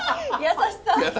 優しさ？